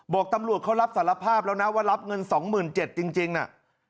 บอกตำรวจเขารับสารภาพแล้วนะว่ารับเงิน๒๗๐๐จริงน่ะ